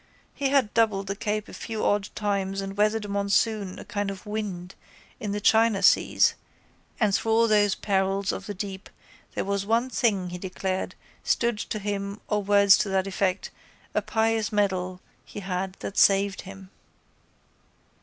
He had doubled the cape a few odd times and weathered a monsoon, a kind of wind, in the China seas and through all those perils of the deep there was one thing, he declared, stood to him or words to that effect, a pious medal he had that saved him.